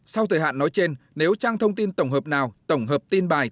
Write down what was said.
sau thời hạn nói trên nếu trang thông tin tổng hợp nào tổng hợp tin bài